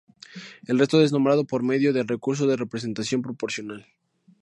El resto es nombrado por medio del recurso de representación proporcional.